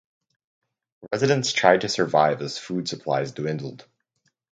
Residents tried to survive as food supplies dwindled.